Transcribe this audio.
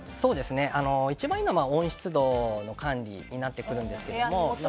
一番いいのは温湿度の管理になってくるんですけれども。